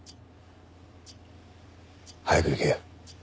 早く行け。